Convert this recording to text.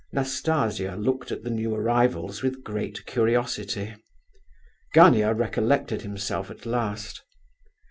Nastasia looked at the new arrivals with great curiosity. Gania recollected himself at last.